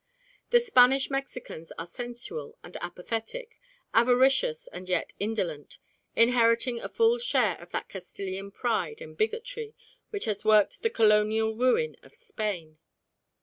The Spanish Mexicans are sensual and apathetic, avaricious and yet indolent, inheriting a full share of that Castilian pride and bigotry which has worked the colonial ruin of Spain.